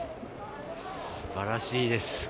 すばらしいです。